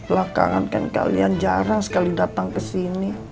lah kangen kan kalian jarang sekali datang kesini